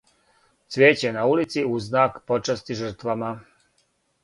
Цвијеће на улици у знак почасти жртвама.